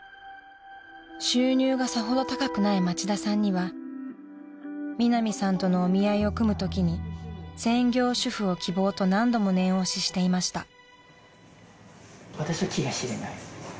［収入がさほど高くない町田さんにはミナミさんとのお見合いを組むときに専業主婦を希望と何度も念押ししていました］